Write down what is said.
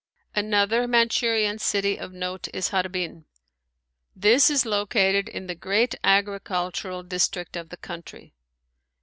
Another Manchurian city of note is Harbin. This is located in the great agricultural district of the country.